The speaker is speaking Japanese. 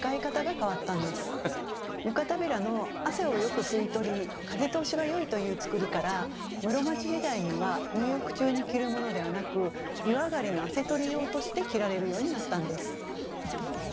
湯帷子の汗をよく吸い取り風通しが良いというつくりから室町時代には入浴中に着るものではなく湯上がりの汗取り用として着られるようになったんです。